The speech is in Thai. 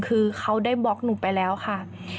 คือเขาได้บล็อกหนูไปแล้วค่ะ